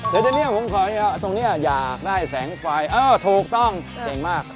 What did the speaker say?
เดี๋ยวทีนี้ผมขอดีครับตรงนี้อยากได้แสงไฟเออถูกต้องเก่งมาก